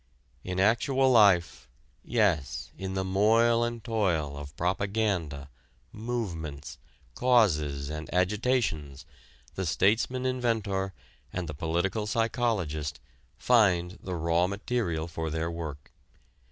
In actual life, yes, in the moil and toil of propaganda, "movements," "causes" and agitations the statesman inventor and the political psychologist find the raw material for their work.